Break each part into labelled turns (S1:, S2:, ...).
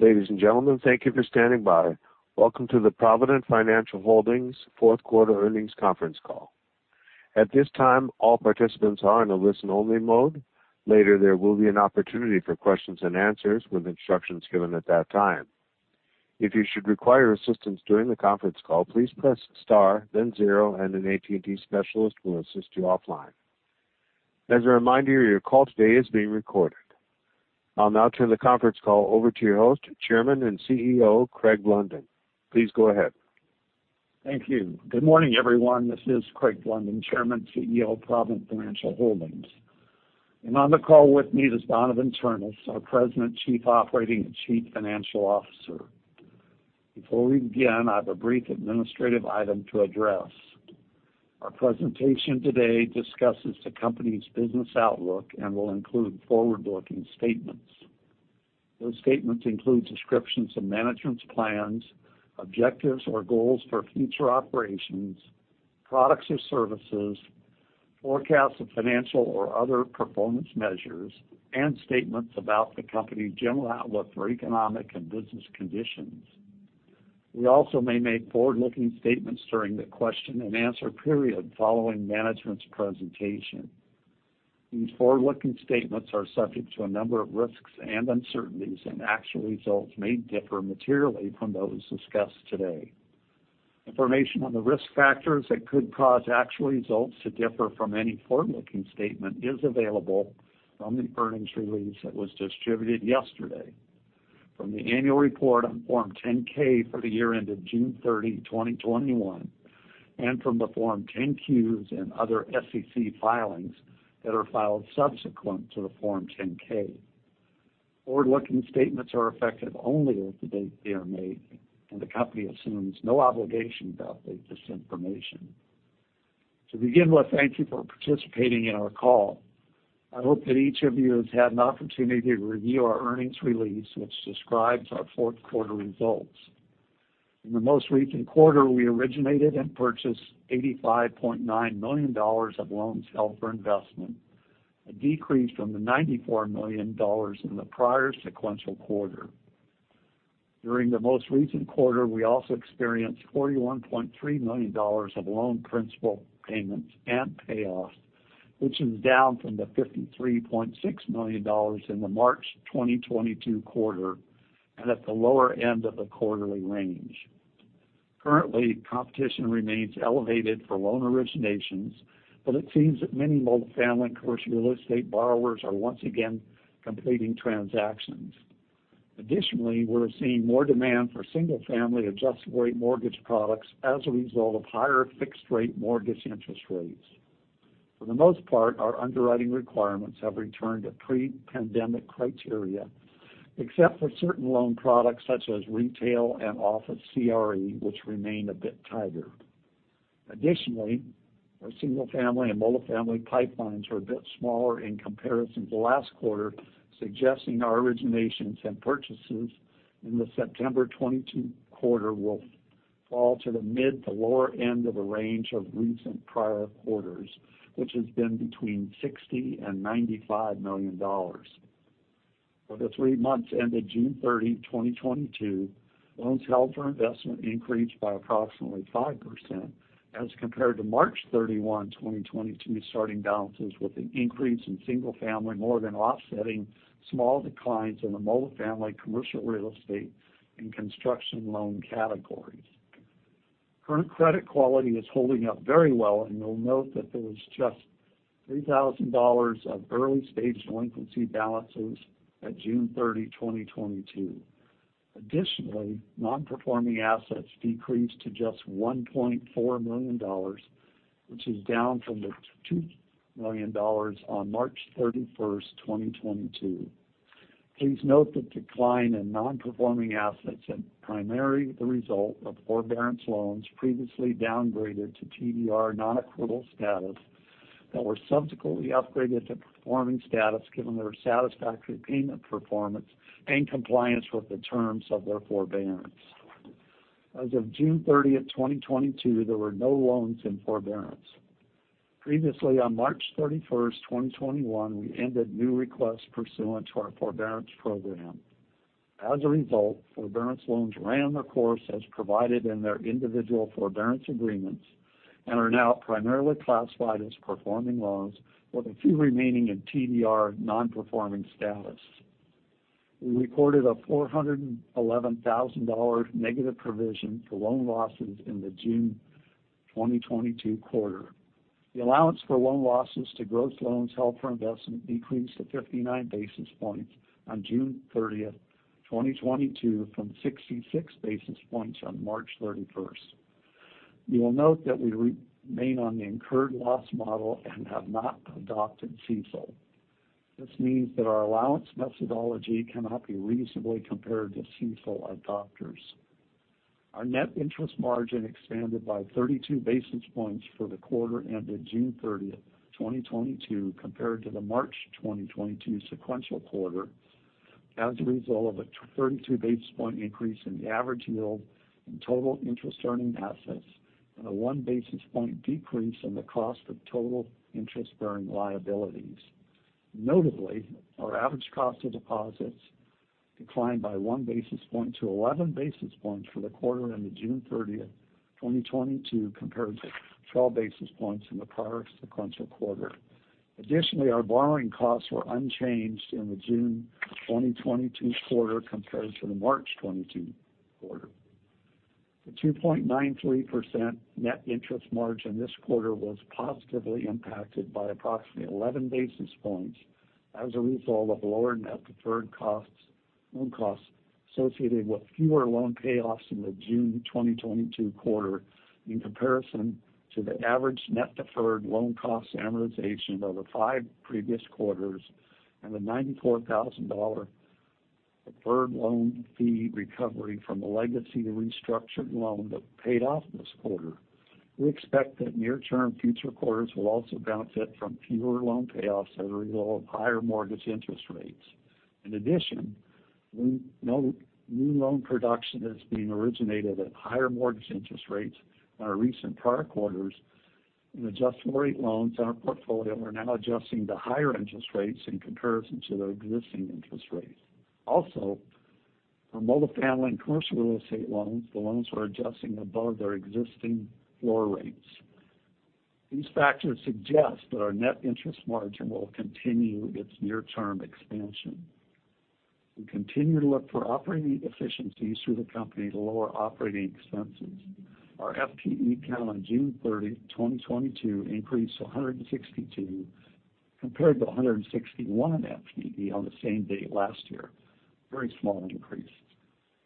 S1: Ladies and gentlemen, thank you for standing by. Welcome to the Provident Financial Holdings Q4 earnings conference call. At this time, all participants are in a listen-only mode. Later, there will be an opportunity for questions and answers with instructions given at that time. If you should require assistance during the conference call, please press star then zero, and an AT&T specialist will assist you offline. As a reminder, your call today is being recorded. I'll now turn the conference call over to your host, Chairman and CEO, Craig Blunden. Please go ahead.
S2: Thank you. Good morning, everyone. This is Craig Blunden, Chairman, CEO, Provident Financial Holdings. On the call with me is Donavon Ternes, our President, Chief Operating and Chief Financial Officer. Before we begin, I have a brief administrative item to address. Our presentation today discusses the company's business outlook and will include forward-looking statements. Those statements include descriptions of management's plans, objectives, or goals for future operations, products or services, forecasts of financial or other performance measures, and statements about the company's general outlook for economic and business conditions. We also may make forward-looking statements during the question-and-answer period following management's presentation. These forward-looking statements are subject to a number of risks and uncertainties, and actual results may differ materially from those discussed today. Information on the risk factors that could cause actual results to differ from any forward-looking statement is available from the earnings release that was distributed yesterday from the annual report on Form 10-K for the year ended June 30, 2021, and from the Form 10-Qs and other SEC filings that are filed subsequent to the Form 10-K. Forward-looking statements are effective only as of the date they are made, and the company assumes no obligation to update this information. To begin with, thank you for participating in our call. I hope that each of you has had an opportunity to review our earnings release, which describes our Q4 results. In the most recent quarter, we originated and purchased $85.9 million of loans held for investment, a decrease from the $94 million in the prior sequential quarter. During the most recent quarter, we also experienced $41.3 million of loan principal payments and payoffs, which is down from the $53.6 million in the March 2022 quarter and at the lower end of the quarterly range. Currently, competition remains elevated for loan originations, but it seems that many multifamily and commercial real estate borrowers are once again completing transactions. Additionally, we're seeing more demand for single-family adjustable-rate mortgage products as a result of higher fixed-rate mortgage interest rates. For the most part, our underwriting requirements have returned to pre-pandemic criteria, except for certain loan products such as retail and office CRE, which remain a bit tighter. Additionally, our single-family and multifamily pipelines are a bit smaller in comparison to last quarter, suggesting our originations and purchases in the September 2022 quarter will fall to the mid to lower end of the range of recent prior quarters, which has been between $60 million and $95 million. For the three months ended June 30, 2022, loans held for investment increased by approximately 5% as compared to March 31, 2022 starting balances with an increase in single family more than offsetting small declines in the multifamily commercial real estate and construction loan categories. Current credit quality is holding up very well, and you'll note that there was just $3,000 of early-stage delinquency balances at June 30, 2022. Additionally, non-performing assets decreased to just $1.4 million, which is down from the $2 million on March 31, 2022. Please note the decline in non-performing assets is primarily the result of forbearance loans previously downgraded to TDR non-accrual status that were subsequently upgraded to performing status given their satisfactory payment performance and compliance with the terms of their forbearance. As of June 30, 2022, there were no loans in forbearance. Previously, on March 31, 2021, we ended new requests pursuant to our forbearance program. As a result, forbearance loans ran their course as provided in their individual forbearance agreements and are now primarily classified as performing loans, with a few remaining in TDR non-performing status. We recorded a $411,000 negative provision for loan losses in the June 2022 quarter. The allowance for loan losses to gross loans held for investment decreased to 59 basis points on June 30, 2022, from 66 basis points on March 31. You will note that we remain on the incurred loss model and have not adopted CECL. This means that our allowance methodology cannot be reasonably compared to CECL adopters. Our net interest margin expanded by 32 basis points for the quarter ended June 30, 2022, compared to the March 2022 sequential quarter as a result of a 32 basis point increase in the average yield in total interest-earning assets and a 1 basis point decrease in the cost of total interest-bearing liabilities. Notably, our average cost of deposits declined by 1 basis point to 11 basis points for the quarter ending June 30, 2022, compared to 12 basis points in the prior sequential quarter. Additionally, our borrowing costs were unchanged in the June 2022 quarter compared to the March 2022 quarter. The 2.93% net interest margin this quarter was positively impacted by approximately 11 basis points as a result of lower net deferred costs, loan costs associated with fewer loan payoffs in the June 2022 quarter in comparison to the average net deferred loan cost amortization of the five previous quarters and the $94,000 deferred loan fee recovery from a legacy restructured loan that paid off this quarter. We expect that near-term future quarters will also benefit from fewer loan payoffs as a result of higher mortgage interest rates. In addition, we note new loan production is being originated at higher mortgage interest rates in our recent prior quarters, and adjustable rate loans in our portfolio are now adjusting to higher interest rates in comparison to their existing interest rates. Also, for multifamily and commercial real estate loans, the loans are adjusting above their existing floor rates. These factors suggest that our net interest margin will continue its near-term expansion. We continue to look for operating efficiencies through the company's lower operating expenses. Our FTE count on June 30, 2022 increased to 162 compared to 161 FTE on the same date last year. Very small increase.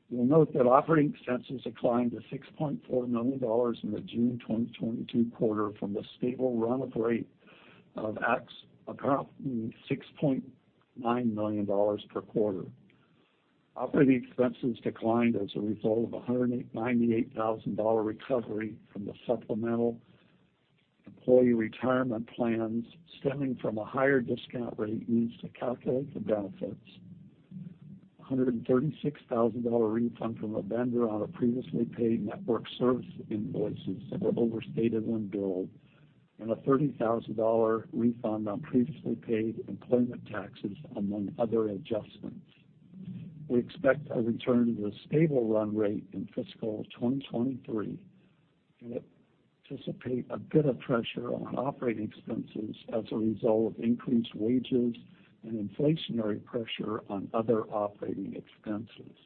S2: You will note that operating expenses declined to $6.4 million in the June 2022 quarter from the stable run rate of approximately $6.9 million per quarter. Operating expenses declined as a result of a $198,000 recovery from the Supplemental Employee Retirement Plans stemming from a higher discount rate used to calculate the benefits, a $136,000 refund from a vendor on a previously paid network service invoices that were overstated when billed, and a $30,000 refund on previously paid employment taxes, among other adjustments. We expect a return to the stable run rate in fiscal 2023 and anticipate a bit of pressure on operating expenses as a result of increased wages and inflationary pressure on other operating expenses.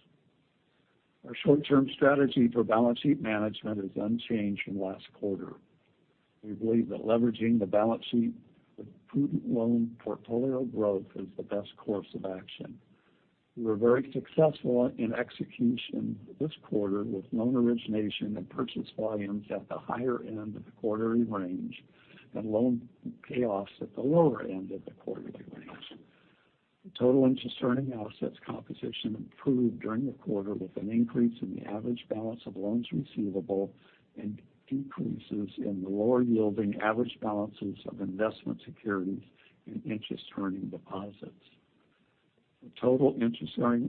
S2: Our short-term strategy for balance sheet management is unchanged from last quarter. We believe that leveraging the balance sheet with prudent loan portfolio growth is the best course of action. We were very successful in execution this quarter with loan origination and purchase volumes at the higher end of the quarterly range and loan payoffs at the lower end of the quarterly range. The total interest-earning assets composition improved during the quarter with an increase in the average balance of loans receivable and decreases in the lower-yielding average balances of investment securities and interest-earning deposits. The total interest-bearing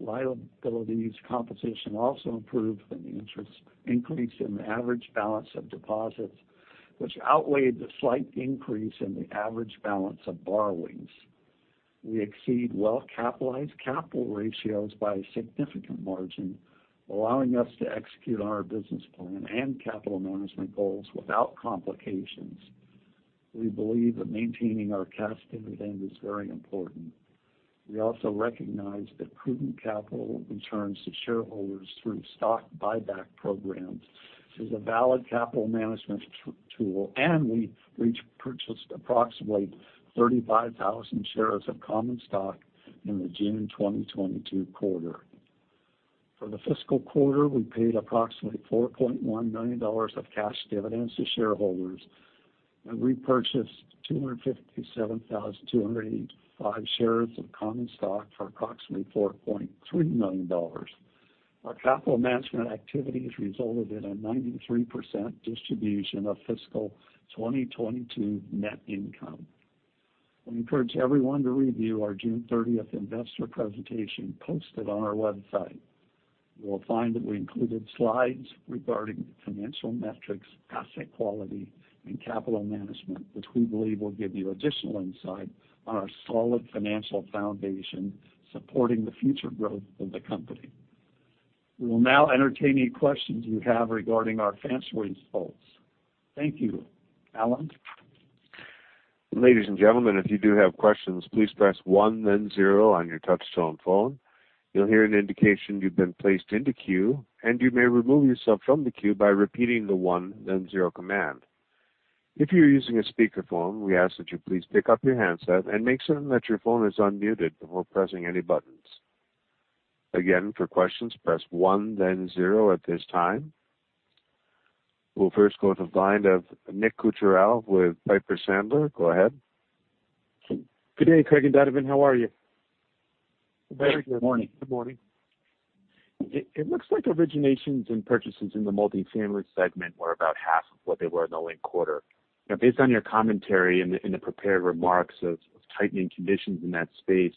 S2: liabilities composition also improved from the increase in the average balance of deposits, which outweighed the slight increase in the average balance of borrowings. We exceed well-capitalized capital ratios by a significant margin, allowing us to execute on our business plan and capital management goals without complications. We believe that maintaining our cash dividend is very important. We also recognize that prudent capital returns to shareholders through stock buyback programs is a valid capital management tool, and we repurchased approximately 35,000 shares of common stock in the June 2022 quarter. For the fiscal quarter, we paid approximately $4.1 million of cash dividends to shareholders and repurchased 257,285 shares of common stock for approximately $4.3 million. Our capital management activities resulted in a 93% distribution of fiscal 2022 net income. I encourage everyone to review our June 30 investor presentation posted on our website. You will find that we included slides regarding financial metrics, asset quality, and capital management, which we believe will give you additional insight on our solid financial foundation supporting the future growth of the company. We will now entertain any questions you have regarding our financial results. Thank you. Alan?
S1: Ladies and gentlemen, if you do have questions, please press one then zero on your touchtone phone. You'll hear an indication you've been placed into queue, and you may remove yourself from the queue by repeating the one then zero command. If you're using a speakerphone, we ask that you please pick up your handset and make certain that your phone is unmuted before pressing any buttons. Again, for questions, press one then zero at this time. We'll first go to the line of Nick Cucharale with Piper Sandler. Go ahead.
S3: Good day, Craig and Donavon. How are you?
S2: Very good morning.
S3: Good morning. It looks like originations and purchases in the multifamily segment were about half of what they were in the linked quarter. Now based on your commentary in the prepared remarks of tightening conditions in that space,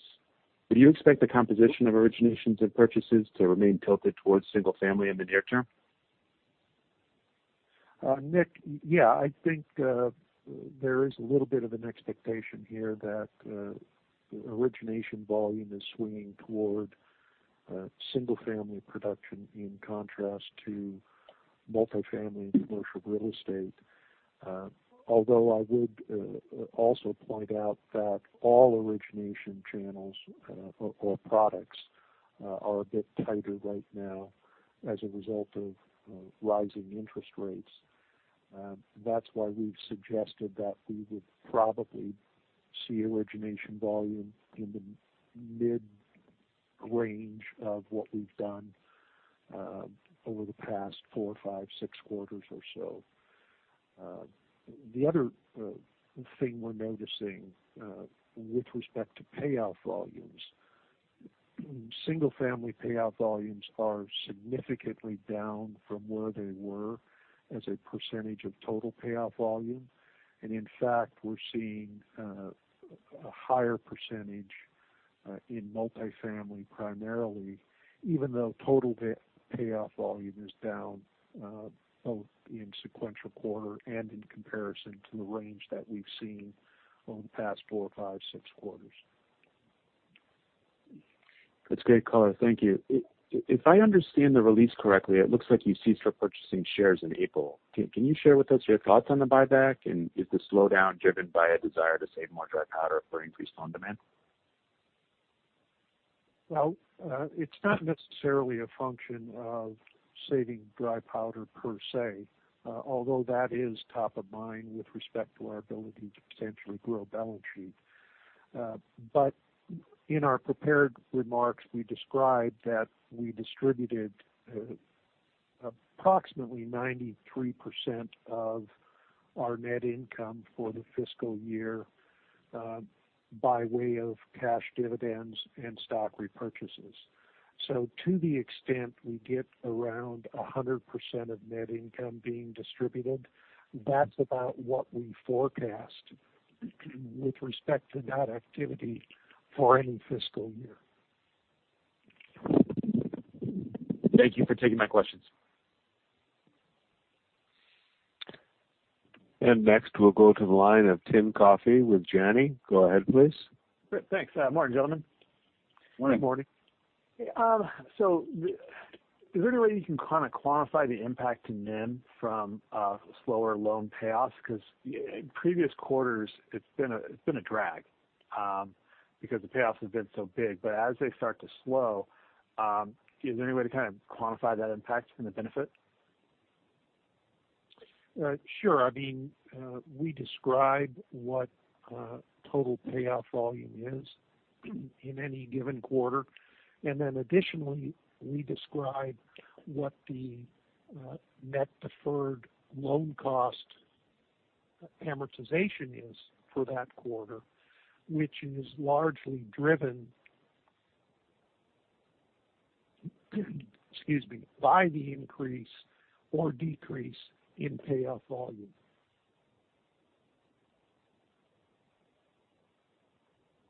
S3: do you expect the composition of originations and purchases to remain tilted towards single family in the near term?
S4: Nick, yeah, I think there is a little bit of an expectation here that origination volume is swinging toward single family production in contrast to multifamily and commercial real estate. Although I would also point out that all origination channels or products are a bit tighter right now as a result of rising interest rates. That's why we've suggested that we would probably see origination volume in the mid-range of what we've done over the past four, five, six quarters or so. The other thing we're noticing with respect to payoff volumes. Single family payoff volumes are significantly down from where they were as a percentage of total payoff volume. In fact, we're seeing a higher percentage in multifamily, primarily, even though total payoff volume is down, both in sequential quarter and in comparison to the range that we've seen over the past four, five, six quarters.
S3: That's great color, thank you. If I understand the release correctly, it looks like you ceased repurchasing shares in April. Can you share with us your thoughts on the buyback? Is the slowdown driven by a desire to save more dry powder for increased loan demand?
S4: Well, it's not necessarily a function of saving dry powder per se, although that is top of mind with respect to our ability to potentially grow balance sheet. In our prepared remarks, we described that we distributed approximately 93% of our net income for the fiscal year by way of cash dividends and stock repurchases. To the extent we get around 100% of net income being distributed, that's about what we forecast with respect to that activity for any fiscal year.
S3: Thank you for taking my questions.
S1: Next, we'll go to the line of Tim Coffey with Janney. Go ahead, please.
S5: Great. Thanks. Morning, gentlemen.
S4: Morning.
S3: Good morning.
S5: Is there any way you can kind of quantify the impact to NIM from slower loan payoffs? Because in previous quarters it's been a drag because the payoffs have been so big. As they start to slow, is there any way to kind of quantify that impact from the benefit?
S4: Sure. I mean, we describe what total payoff volume is in any given quarter. Additionally, we describe what the net deferred loan cost amortization is for that quarter, which is largely driven by the increase or decrease in payoff volume.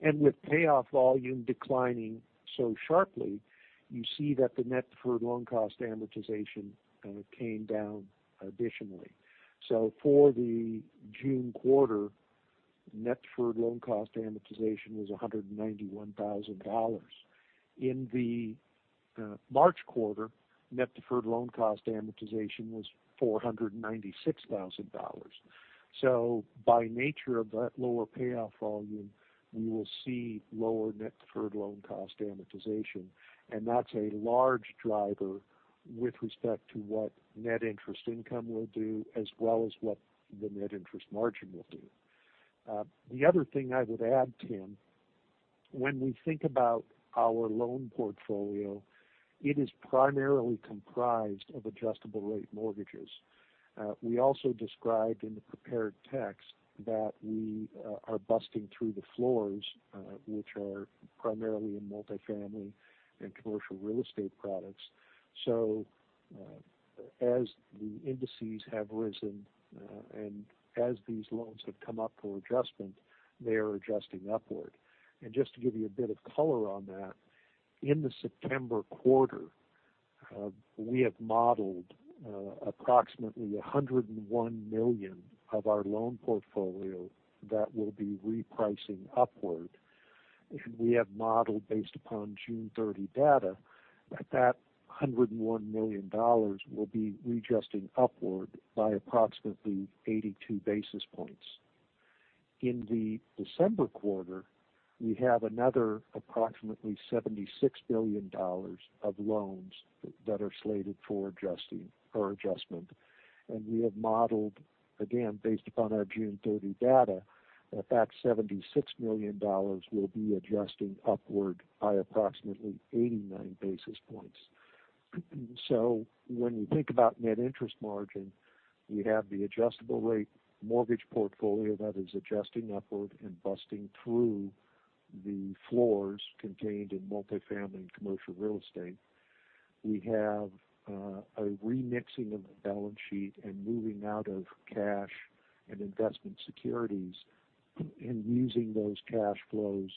S4: With payoff volume declining so sharply, you see that the net deferred loan cost amortization came down additionally. For the June quarter, net deferred loan cost amortization was $191 thousand. In the March quarter, net deferred loan cost amortization was $496 thousand. By nature of that lower payoff volume, you will see lower net deferred loan cost amortization, and that's a large driver with respect to what net interest income will do as well as what the net interest margin will do. The other thing I would add, Tim, when we think about our loan portfolio, it is primarily comprised of adjustable rate mortgages. We also described in the prepared text that we are busting through the floors, which are primarily in multifamily and commercial real estate products. As the indices have risen, and as these loans have come up for adjustment, they are adjusting upward. Just to give you a bit of color on that, in the September quarter, we have modeled approximately $101 million of our loan portfolio that will be repricing upward. We have modeled based upon June 30 data that $101 million will be readjusting upward by approximately 82 basis points. In the December quarter, we have another approximately $76 billion of loans that are slated for adjusting or adjustment. We have modeled, again, based upon our June 30 data, that $76 million will be adjusting upward by approximately 89 basis points. When you think about net interest margin, we have the adjustable rate mortgage portfolio that is adjusting upward and busting through the floors contained in multifamily and commercial real estate. We have a remixing of the balance sheet and moving out of cash and investment securities and using those cash flows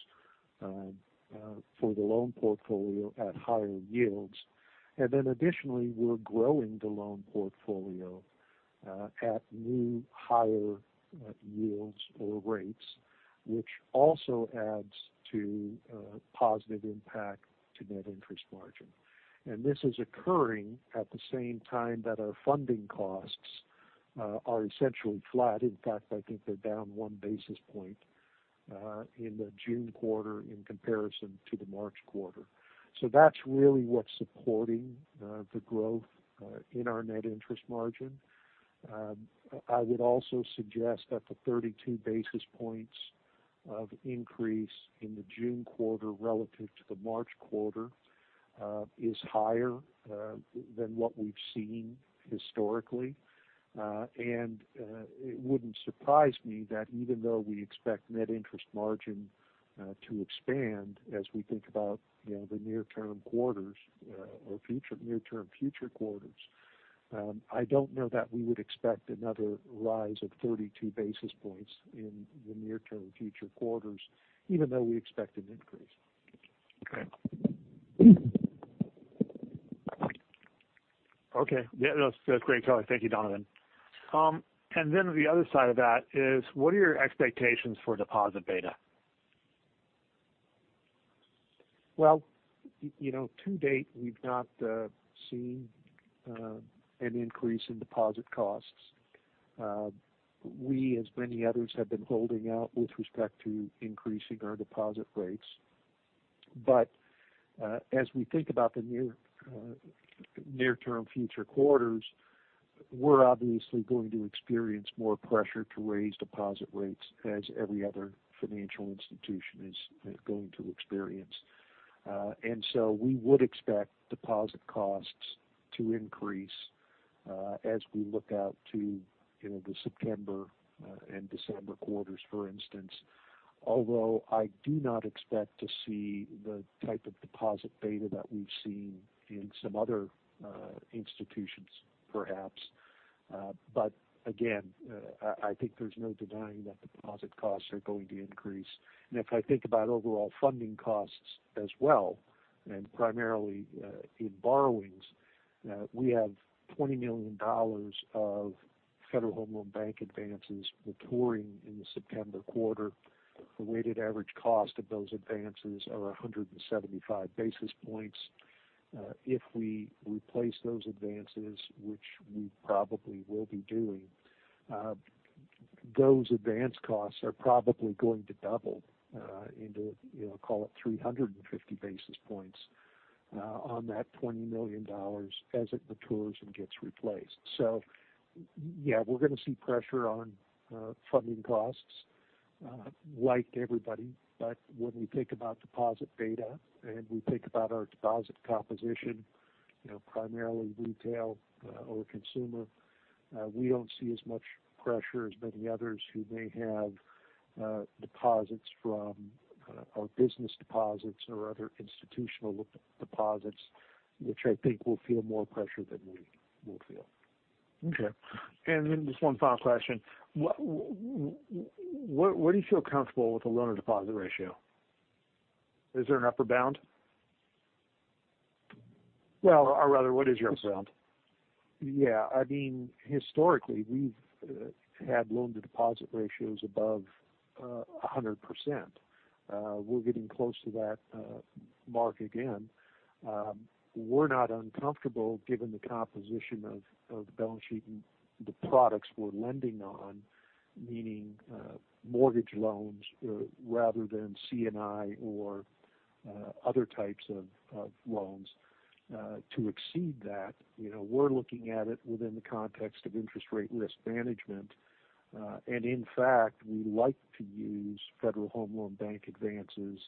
S4: for the loan portfolio at higher yields. Additionally, we're growing the loan portfolio at new higher yields or rates, which also adds to a positive impact to net interest margin. This is occurring at the same time that our funding costs are essentially flat. In fact, I think they're down 1 basis point in the June quarter in comparison to the March quarter. That's really what's supporting the growth in our net interest margin. I would also suggest that the 32 basis points of increase in the June quarter relative to the March quarter is higher than what we've seen historically. It wouldn't surprise me that even though we expect net interest margin to expand as we think about, you know, the near-term quarters or near-term future quarters, I don't know that we would expect another rise of 32 basis points in the near-term future quarters, even though we expect an increase.
S5: Okay. Yeah, that's great color. Thank you, Donovan. The other side of that is, what are your expectations for deposit beta?
S4: Well, you know, to date, we've not seen an increase in deposit costs. We, as many others, have been holding out with respect to increasing our deposit rates. As we think about the near-term future quarters, we're obviously going to experience more pressure to raise deposit rates as every other financial institution is going to experience. We would expect deposit costs to increase as we look out to, you know, the September and December quarters, for instance. Although I do not expect to see the type of deposit beta that we've seen in some other institutions, perhaps. Again, I think there's no denying that deposit costs are going to increase. If I think about overall funding costs as well, and primarily in borrowings, we have $20 million of Federal Home Loan Bank advances maturing in the September quarter. The weighted average cost of those advances are 175 basis points. If we replace those advances, which we probably will be doing, those advance costs are probably going to double into, you know, call it 350 basis points on that $20 million as it matures and gets replaced. Yeah, we're gonna see pressure on funding costs like everybody. When we think about deposit beta and we think about our deposit composition, you know, primarily retail or consumer, we don't see as much pressure as many others who may have, deposits from, or business deposits or other institutional deposits, which I think will feel more pressure than we will feel.
S5: Okay. Just one final question. What do you feel comfortable with the loan-to-deposit ratio? Is there an upper bound?
S4: Well-
S5: What is your upper bound?
S4: Yeah. I mean, historically, we've had loan-to-deposit ratios above 100%. We're getting close to that mark again. We're not uncomfortable, given the composition of the balance sheet and the products we're lending on, meaning mortgage loans rather than C&I or other types of loans to exceed that. You know, we're looking at it within the context of interest rate risk management. In fact, we like to use Federal Home Loan Bank advances,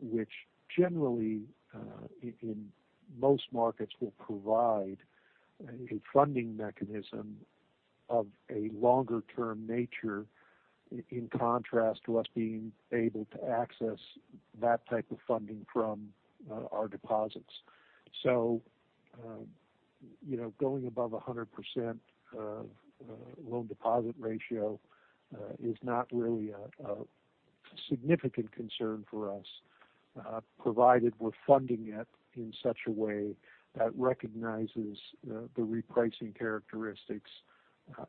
S4: which generally in most markets will provide a funding mechanism of a longer-term nature, in contrast to us being able to access that type of funding from our deposits. You know, going above 100% loan-to-deposit ratio is not really a significant concern for us, provided we're funding it in such a way that recognizes the repricing characteristics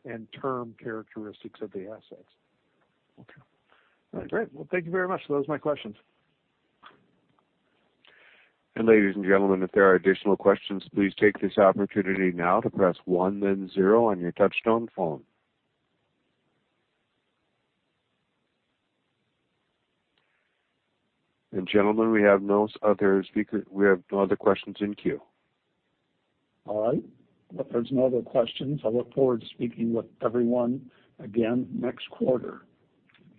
S4: and term characteristics of the assets.
S5: Okay. All right. Great. Well, thank you very much. Those are my questions.
S1: Ladies and gentlemen, if there are additional questions, please take this opportunity now to press one then zero on your touchtone phone. Gentlemen, we have no other questions in queue.
S4: All right. If there's no other questions, I look forward to speaking with everyone again next quarter.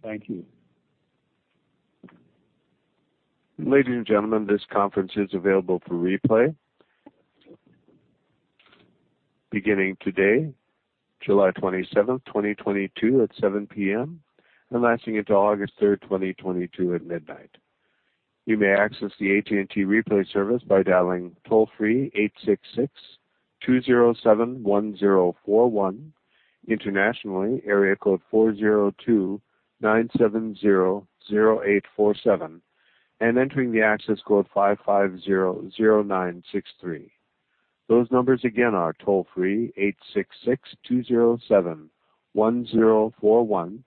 S4: Thank you.
S1: Ladies and gentlemen, this conference is available for replay. Beginning today, July 27th, 2022 at 7 P.M., and lasting until August 3rd, 2022 at midnight. You may access the AT&T Replay service by dialing toll-free 866-207-1041. Internationally, area code 402-970-0847 and entering the access code 5500963. Those numbers again are toll-free 866-207-1041.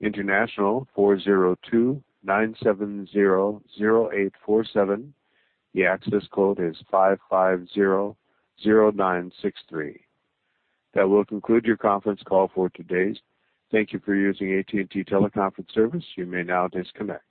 S1: International, 402-970-0847. The access code is 5500963. That will conclude your conference call for today. Thank you for using AT&T Teleconference service. You may now disconnect.